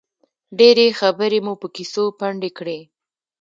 ډېرې خبرې مو په کیسو پنډې کړې.